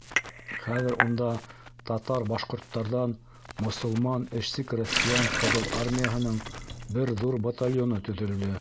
Хәҙер унда татар-башҡорттарҙан мосолман эшсе-крәҫтиән Ҡыҙыл Армияһының бер ҙур батальоны төҙөлдө.